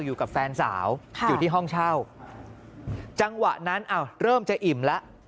อยู่กับแฟนสาวอยู่ที่ห้องเช่าจังหวะนั้นอ้าวเริ่มจะอิ่มแล้ว